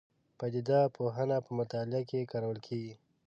پدیده پوهنه په مطالعه کې کارول کېږي.